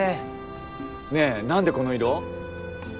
ねえ何でこの色？